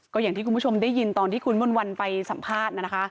ก็อย่างที่คุณผู้ชมได้ยินตอนที่คุณมนต์วันไปสัมภาษณ์นะคะ